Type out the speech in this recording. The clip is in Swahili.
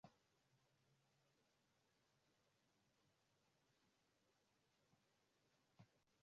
Suala la Zolin alkitaka aachiwe yeye alishughulikie Jacob aendelee na operesheni yake